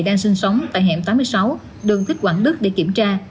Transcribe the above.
đang sinh sống tại hẻm tám mươi sáu đường thích quảng đức để kiểm tra